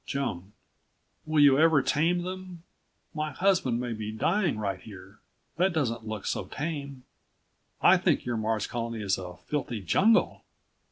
Joan: Will you ever tame them? My husband may be dying right here; that doesn't look so tame! I think your Mars Colony is a filthy jungle!